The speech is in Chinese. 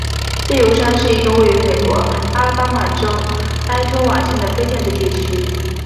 自由山是一个位于美国阿拉巴马州埃托瓦县的非建制地区。